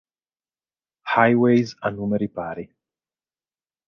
Highways a numeri pari.